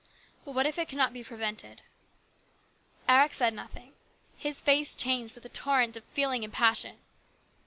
" But what if it cannot be prevented ?" Eric said nothing. His face changed with a torrent of feeling and passion.